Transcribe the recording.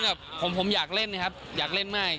แบบผมอยากเล่นนะครับอยากเล่นมาก